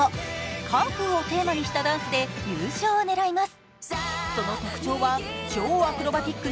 カンフーをテーマにしたダンスで優勝を狙います。